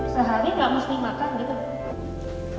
sehari nggak mesti makan gitu